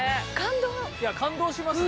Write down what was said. いや感動しますね